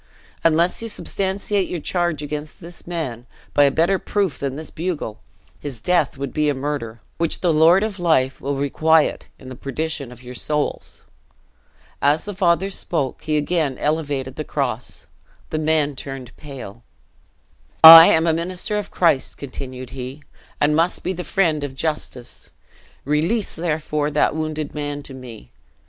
Unless you substantiate your charge against this man, by a better proof than this bugle, his death would be a murder, which the Lord of life will requite in the perdition of your souls." As the father spoke, he again elevated the cross: the men turned pale. "I am a minister of Christ," continued he, "and must be the friend of justice. Release, therefore, that wounded man to me.